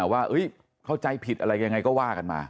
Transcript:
ว่าเข้าใจผิดอะไรยังไงก็ว่ากันมา